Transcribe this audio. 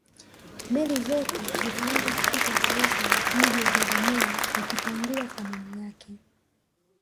meli zote zikaanza kufikia dar es salaam mji wa bagamoyo ukapungua thamani yake